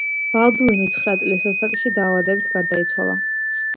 ბალდუინი ცხრა წლის ასაკში დაავადებით გარდაიცვალა.